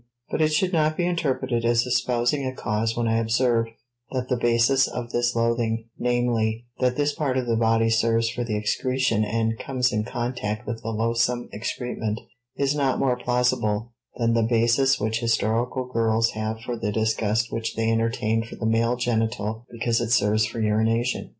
But it should not be interpreted as espousing a cause when I observe that the basis of this loathing namely, that this part of the body serves for the excretion and comes in contact with the loathsome excrement is not more plausible than the basis which hysterical girls have for the disgust which they entertain for the male genital because it serves for urination.